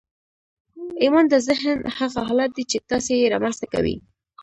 ايمان د ذهن هغه حالت دی چې تاسې يې رامنځته کوئ.